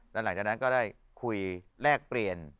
แล้วหลังจากนั้นก็ได้คุยแลกเปลี่ยน